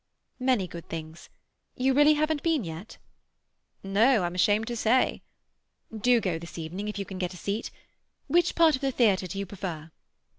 "Many good things. You really haven't been yet?" "No—I'm ashamed to say." "Do go this evening, if you can get a seat. Which part of the theatre do you prefer?"